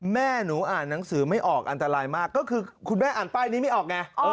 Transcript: แม่หนูอ่านหนังสือไม่ออกอันตรายมากก็คือคุณแม่อ่านป้ายนี้ไม่ออกไง